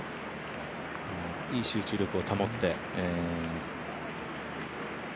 いい集中力を保って。